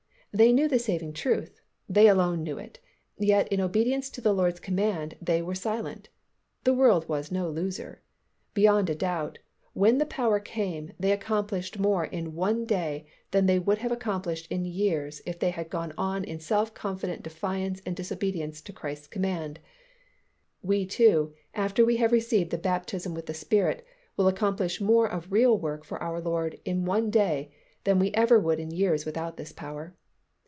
They knew the saving truth, they alone knew it; yet in obedience to the Lord's command they were silent. The world was no loser. Beyond a doubt, when the power came, they accomplished more in one day than they would have accomplished in years if they had gone on in self confident defiance and disobedience to Christ's command. We too after that we have received the baptism with the Spirit will accomplish more of real work for our Lord in one day than we ever would in years without this power.